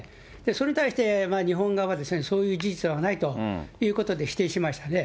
それに対して、日本側はそういう事実はないということで否定しましたね。